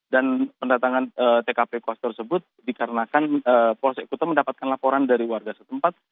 dan pendatangan tkp pos tersebut dikarenakan polsek kute mendapatkan laporan dari warga setempat